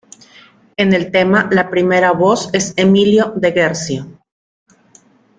En el tema la primera voz es de Emilio del Guercio.